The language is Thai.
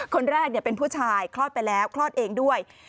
คนแรกเป็นผู้ชายคลอดไปแล้วคลอดเองด้วย